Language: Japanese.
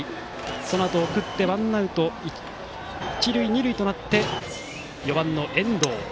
そのあと、送ってワンアウト、一塁二塁となって４番の遠藤。